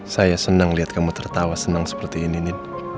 saya senang lihat kamu tertawa senang seperti ini nih